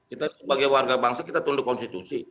kita sebagai warga bangsa kita tunduk konstitusi